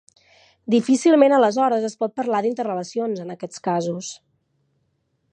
Difícilment aleshores es pot parlar d'interrelacions en aquests casos.